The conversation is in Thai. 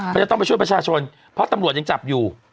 เขาจะต้องไปช่วยประชาชนเพราะตำรวจยังจับอยู่